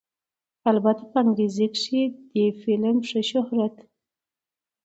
البته په انګرېزۍ کښې دې فلم ښۀ شهرت